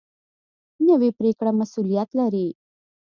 نوې پرېکړه مسؤلیت لري